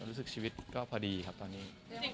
รู้สึกชีวิตก็พอดีครับตอนนี้